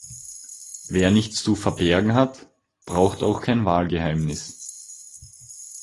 Wer nichts zu verbergen hat, braucht auch kein Wahlgeheimnis.